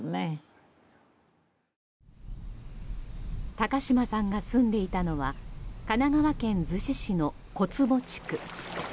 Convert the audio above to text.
高嶋さんが住んでいたのは神奈川県逗子市の小坪地区。